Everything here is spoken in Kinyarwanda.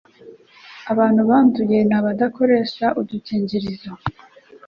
Abantu banduye nabadakoresha udukingirizo